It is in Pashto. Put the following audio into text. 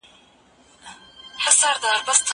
زه به سبا د ښوونځی لپاره تياری وکړم!.